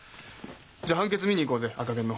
じゃあ判決見に行こうぜ赤ゲンの。